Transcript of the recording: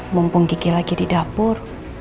mumpung gigi lagi di dapur